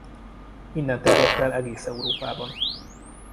Innen terjedt el egész Európában.